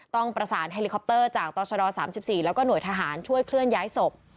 ต้องประสานเฮลิคอปเตอร์จากตรชด๓๔แล้วก็หน่วยทหารช่วยเคลื่อนย้ายศพ